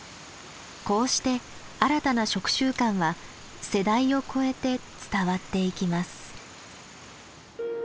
こうして新たな食習慣は世代をこえて伝わっていきます。